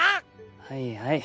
はいはい。